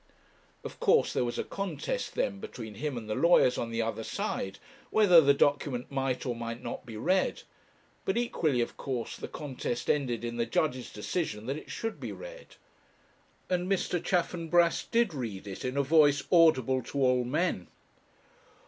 Of course there was a contest then between him and the lawyers on the other side whether the document might or might not be read; but equally of course the contest ended in the judge's decision that it should be read. And Mr. Chaffanbrass did read it in a voice audible to all men.